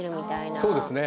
そうですね。